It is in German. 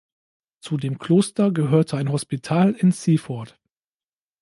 Zu dem Kloster gehörte ein Hospital in Seaford.